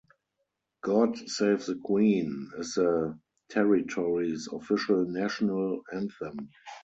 "God Save the Queen" is the territory's official national anthem.